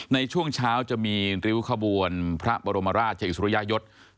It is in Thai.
ในช่วงเช้าจะมีริ้วขบวนพระบรมราชอิสุริยยศ